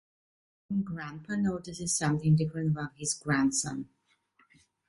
Even Grandpa notices something different about his grandson.